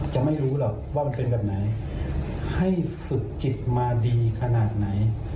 จะไม่รู้หรอกว่ามันเป็นแบบไหนให้ฝึกจิตมาดีขนาดไหน